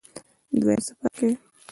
دویم څپرکی